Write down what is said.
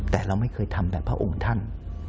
แต่เราไม่เคยทำแบบพระองค์ท่าน